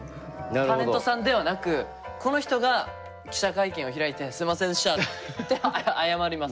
タレントさんではなくこの人が記者会見を開いてすみませんでしたって謝ります。